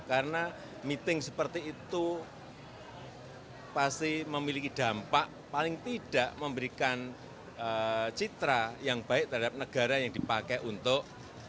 karena meeting seperti itu pasti memiliki dampak paling tidak memberikan citra yang baik terhadap negara yang dipakai untuk